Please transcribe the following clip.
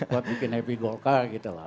buat bikin happy golkar gitu lah